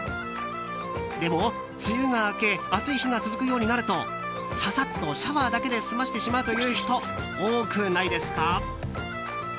でも、梅雨が明け暑い日が続くようになるとささっとシャワーだけで済ませてしまうという人多くないですか？